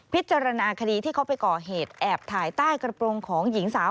พิจารณาคดีที่เขาไปก่อเหตุแอบถ่ายใต้กระโปรงของหญิงสาว